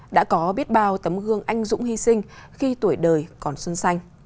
đã có biết bao tấm gương anh dũng hy sinh khi tuổi đời còn xuân xanh